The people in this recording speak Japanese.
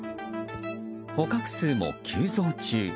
捕獲数も急増中。